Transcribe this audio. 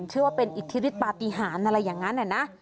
เชื่อว่าเป็นอิทธิฤทธปฏิหารอะไรอย่างนั้นนะ